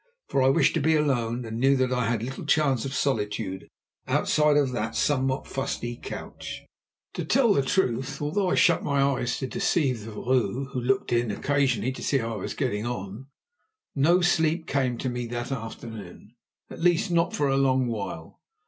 For I wished to be alone and knew that I had little chance of solitude outside of that somewhat fusty couch. To tell the truth, although I shut my eyes to deceive the vrouw, who looked in occasionally to see how I was getting on, no sleep came to me that afternoon—at least, not for a long while.